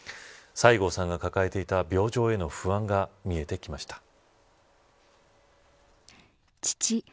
西郷さんが抱えていた病状への不安が見えてきました。